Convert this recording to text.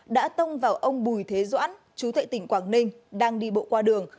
đã tông vào ông bùi thế doãn chú thệ tỉnh quảng ninh đang đi bộ qua đường